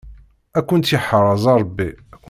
Ad kent-yeḥrez Ṛebbi.